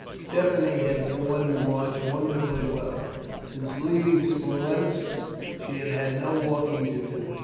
Stephanie had borne the march wonderfully well. Since leaving Smolensk, she had had no walking to do.